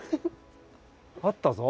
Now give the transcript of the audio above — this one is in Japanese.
あったぞ。